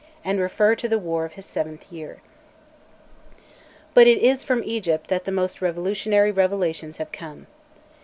and refer to the war of his seventh year. But it is from Egypt that the most revolutionary revelations have come.